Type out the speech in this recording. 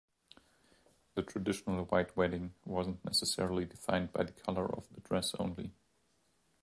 The traditional white wedding wasn't necessarily defined by the color of the dress only.